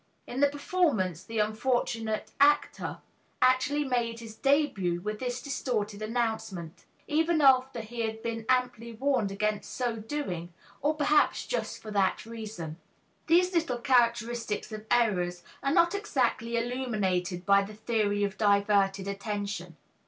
In the performance the unfortunate actor actually made his début with this distorted announcement; even after he had been amply warned against so doing, or perhaps just for that reason. These little characteristics of errors are not exactly illuminated by the theory of diverted attention.